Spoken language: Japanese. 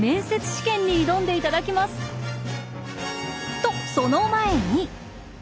とその前に。